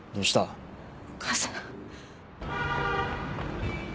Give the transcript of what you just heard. お母さん。